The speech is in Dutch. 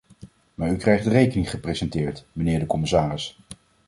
Maar u krijgt de rekening gepresenteerd, mijnheer de commissaris.